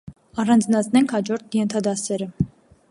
Առանձնացնենք հաջորդ ենթադասերը։